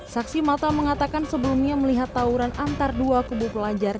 saksi mata mengatakan sebelumnya melihat tawuran antar dua kubu pelajar